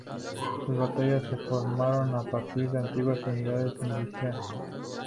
Sus batallones se formaron a partir de antiguas unidades milicianas.